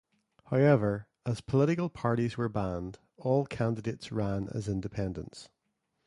However, as political parties were banned, all candidates ran as independents.